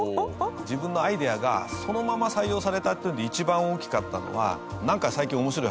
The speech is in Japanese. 自分のアイデアがそのまま採用されたっていうので一番大きかったのは。